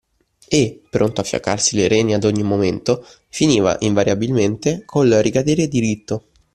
E, pronto a fiaccarsi le reni ad ogni momento, finiva, invariabilmente, col ricadere diritto